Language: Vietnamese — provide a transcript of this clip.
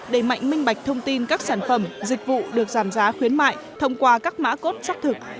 đẩy mạnh minh bạch thông tin các sản phẩm dịch vụ được giảm giá khuyến mại thông qua các mã cốt xác thực